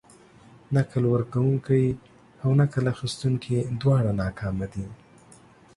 نکل ورکونکي او نکل اخيستونکي دواړه ناکامه دي.